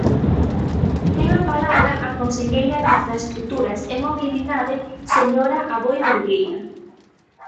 Ten a palabra a conselleira de infraestruturas e mobilidade señora Aboi Bergueira.